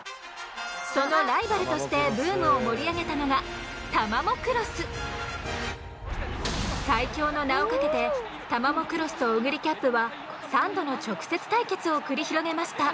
そのライバルとしてブームを盛り上げたのが最強の名をかけてタマモクロスとオグリキャップは３度の直接対決を繰り広げました。